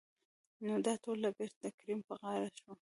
نو دا ټول لګښت دکريم په غاړه شو.